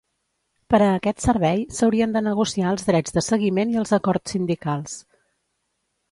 Per a aquest servei s'haurien de negociar els drets de seguiment i els acords sindicals.